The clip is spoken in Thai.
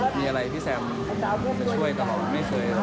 มีอะไรที่พี่แซมจะช่วยแต่บอกไม่ช่วย